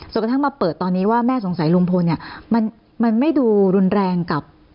กระทั่งมาเปิดตอนนี้ว่าแม่สงสัยลุงพลเนี่ยมันไม่ดูรุนแรงกับ